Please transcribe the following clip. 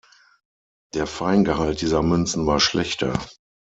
Der Feingehalt dieser Münzen war schlechter.